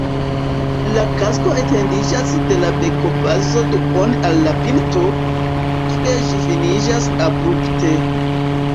La kasko etendiĝas de la bekobazo duone al la pinto, kie ĝi finiĝas abrupte.